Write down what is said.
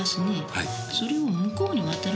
はい。